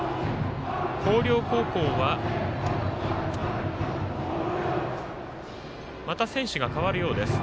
広陵高校はまた選手が代わるようです。